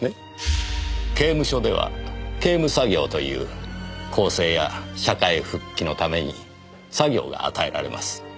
刑務所では刑務作業という更生や社会復帰のために作業が与えられます。